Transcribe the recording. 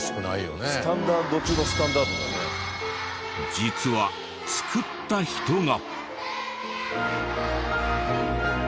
実は作った人が。